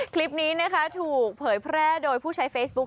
คลิปนี้นะคะถูกเผยแพร่โดยผู้ใช้เฟซบุ๊ค